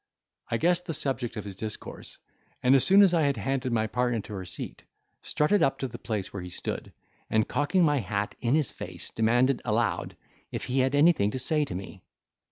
I guessed the subject of his discourse, and as soon as I had handed my partner to her seat, strutted up to the place where he stood, and, cocking my hat in his face, demanded aloud, if he had anything to say to me.